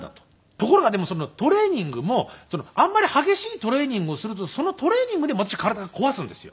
ところがでもトレーニングもあんまり激しいトレーニングをするとそのトレーニングで私体壊すんですよ。